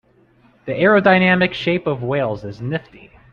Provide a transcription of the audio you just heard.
The aerodynamic shape of whales is nifty.